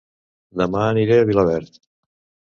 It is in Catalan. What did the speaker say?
Dema aniré a Vilaverd